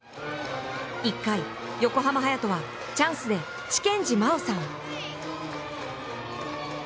１回、横浜隼人はチャンスで千見寺真央さん。